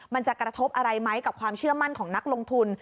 มันจะกระทบอะไรไหมกับความเชื่อมั่นของนักลงทุน